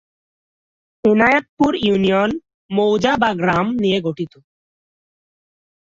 Enayetpur union মৌজা/গ্রাম নিয়ে গঠিত।